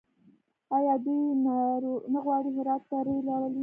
آیا دوی نه غواړي هرات ته ریل راولي؟